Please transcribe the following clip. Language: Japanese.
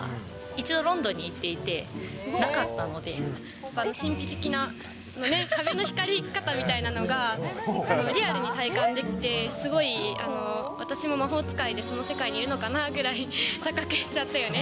一度ロンドンに行っていてなかったので、神秘的な、壁の光り方みたいなのが、リアルに体感できて、すごい、私も魔法使いで、その世界にいるのかなぐらい、錯覚しちゃったよね。